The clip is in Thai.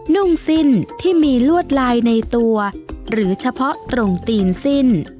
นุ่งสิ้นที่มีลวดลายในตัวหรือเฉพาะตรงตีนสิ้น